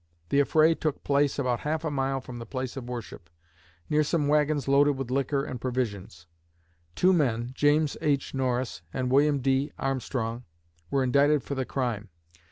The affray took place about half a mile from the place of worship, near some wagons loaded with liquor and provisions. Two men, James H. Norris and William D. Armstrong, were indicted for the crime.